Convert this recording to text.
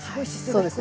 そうですね。